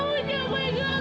ma reddit izman